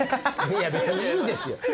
いや別にいいんですよ！